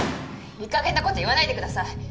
いいかげんなこと言わないでください！